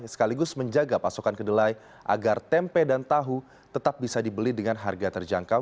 sekaligus menjaga pasokan kedelai agar tempe dan tahu tetap bisa dibeli dengan harga terjangkau